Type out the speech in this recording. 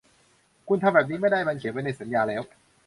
คุณทำแบบนี้ไม่ได้ มันเขียนไว้ในสัญญาแล้ว